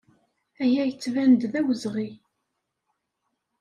Aya yettban-d d awezɣi.